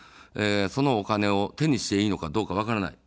そのお金を手にしていいのかどうか分からない。